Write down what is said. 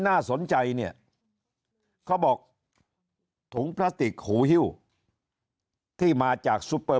น่าสนใจเนี่ยเขาบอกถุงพลาสติกหูฮิ้วที่มาจากซุปเปอร์